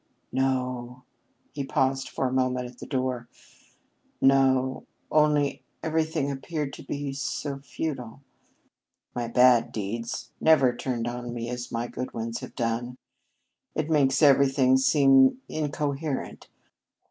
"No." He paused for a moment at the door. "No only everything appeared to be so futile. My bad deeds never turned on me as my good ones have done. It makes everything seem incoherent.